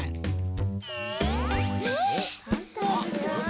えっ。